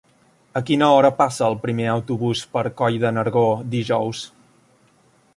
A quina hora passa el primer autobús per Coll de Nargó dijous?